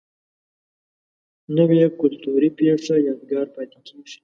نوې کلتوري پیښه یادګار پاتې کېږي